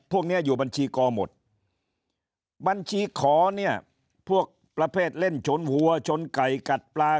พวกนี้อยู่บัญชีกอหมดบัญชีขอเนี่ยพวกประเภทเล่นชนหัวชนไก่กัดปลา